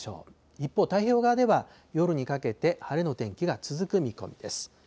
一方、太平洋側では夜にかけて晴れの天気が続く見込みです。